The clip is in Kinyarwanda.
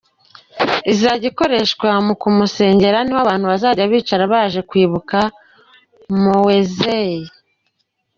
Izajya ikoreshwa mu kumusengera, niho abantu bazajya bicara baje kwibuka Mowzey.